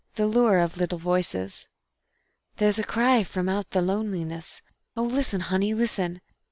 The Lure of Little Voices There's a cry from out the loneliness oh, listen, Honey, listen!